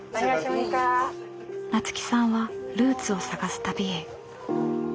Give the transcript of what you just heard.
菜津紀さんはルーツを探す旅へ。